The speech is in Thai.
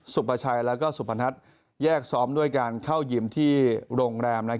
ปชัยและสุพนัทแยกซ้อมด้วยการเข้ายิมที่โรงแรม